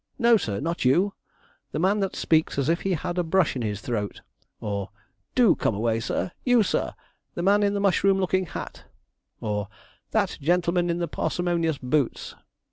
no, sir, not you the man that speaks as if he had a brush in his throat!' or, 'Do come away, sir! you, sir! the man in the mushroom looking hat!' or, 'that gentleman in the parsimonious boots!'